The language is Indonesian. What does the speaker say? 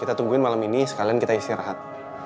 kita tungguin malam ini sekalian kita istirahat